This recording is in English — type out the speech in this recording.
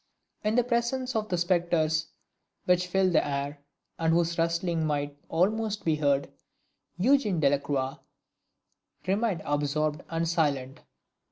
In the presence of the spectres which filled the air, and whose rustling might almost be heard, Eugene Delacroix remained absorbed and silent.